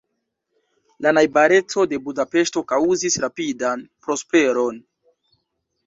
La najbareco de Budapeŝto kaŭzis rapidan prosperon.